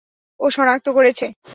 ও শনাক্ত করেছে?